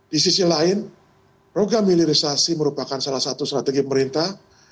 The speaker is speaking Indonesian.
di sisi lain program hilirisasi merupakan salah satu strategi pemerintah